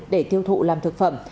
để tiêu thụ làm thực phẩm